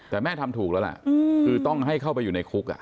แต่แม่ทำถูกแล้วล่ะคือต้องให้เข้าไปอยู่ในคุก